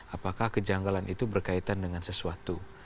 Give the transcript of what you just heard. apakah kejanggalan itu berkaitan dengan sesuatu